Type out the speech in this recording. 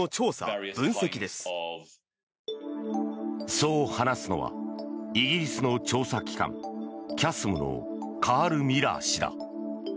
そう話すのはイギリスの調査機関、キャスムのカール・ミラー氏だ。